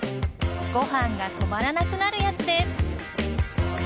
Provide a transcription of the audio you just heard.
ご飯が止まらなくなるやつです。